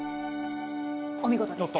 お見事でした。